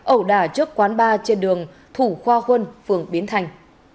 ẩu đà trước quán bar trên đường thủ khoa huân phường biến thành